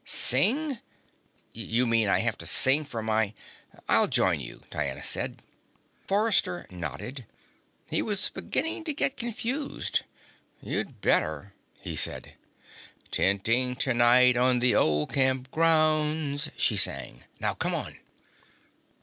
"Sing? You mean I have to sing for my " "I'll join you," Diana said. Forrester nodded. He was beginning to get confused. "You'd better," he said. "Tenting tonight on the old camp grounds," she sang. "Now come on."